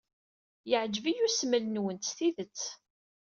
Yeɛjeb-iyi usmel-nwent s tidet.